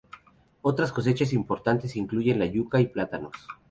Otras cosechas importantes incluyen la yuca y plátanos.